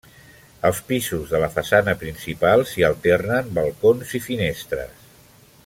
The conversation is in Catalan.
Als pisos de la façana principal s'hi alternen balcons i finestres.